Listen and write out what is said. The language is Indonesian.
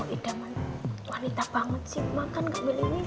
cowok idaman wanita banget sih makan gak beli ini